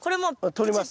取ります。